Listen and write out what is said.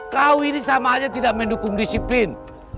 kau ini sama saja tidak mendukung disiplin